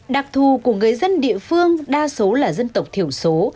đặc thù của người dân địa phương đa số là dân tộc thiểu số